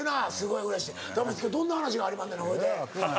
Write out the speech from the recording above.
今日どんな話がありまんねんなほいで。